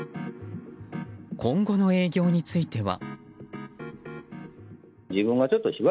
今後の営業については。